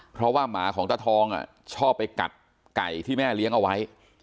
เพราะว่าหมาของตาทองชอบไปกัดไก่ที่แม่เลี้ยงเอาไว้